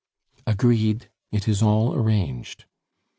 "Agreed it is all arranged."